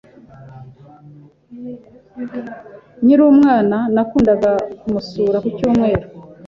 Nkiri umwana, nakundaga kumusura ku cyumweru.